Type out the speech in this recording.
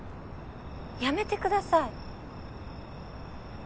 やめてください。